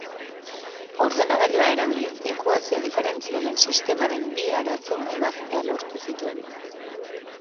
Ordenagailua erabiliz, ekuazio diferentzialen sistemaren bi arazo ebaztea lortu zituen.